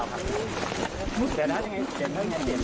หลังจากที่สุดยอดเย็นหลังจากที่สุดยอดเย็น